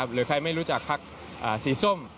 หรือใครไม่รู้จักพักสีส้ม